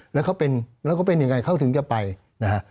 แล้วเค้าเป็นอย่างไรเค้าถึงจะไปนะฮะ